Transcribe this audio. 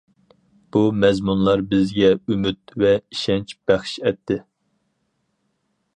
بۇ مەزمۇنلار بىزگە ئۈمىد ۋە ئىشەنچ بەخش ئەتتى.